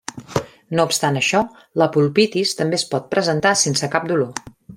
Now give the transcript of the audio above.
No obstant això, la pulpitis també es pot presentar sense cap dolor.